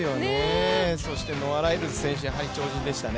ノア・ライルズ選手、やはり超人でしたね。